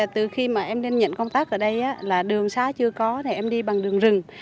từ khi mà em đang nhận công tác ở đây là đường xá chưa có thì em đi bằng đường rừng